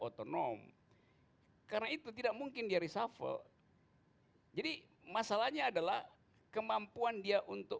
otonom karena itu tidak mungkin dia reshuffle jadi masalahnya adalah kemampuan dia untuk